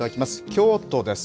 京都です。